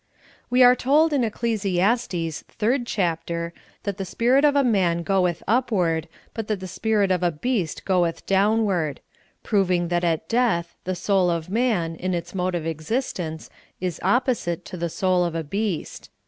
We are told, in Kcclesiastes, 3d chapter, that the spirit of a man goetli upward, but that the spirit of a beast goeth downward ; proving that at death the soul of man, in its mode of existence, is opposite to the soul of a beast.